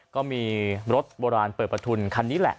ก็มีรถโบราณเปิดประทุนคันนี้แหละ